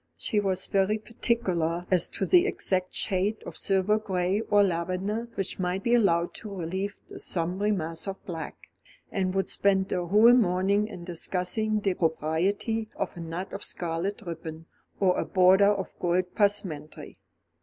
She was very particular as to the exact shade of silver gray or lavender which might be allowed to relieve the sombre mass of black; and would spend a whole morning in discussing the propriety of a knot of scarlet ribbon, or a border of gold passementerie.